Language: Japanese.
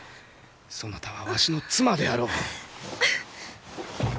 そなたはわしの妻であろう。